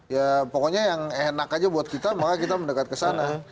ya pokoknya yang enak aja buat kita maka kita mendekat ke sana